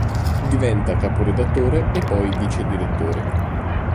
Diventa caporedattore e poi vicedirettore.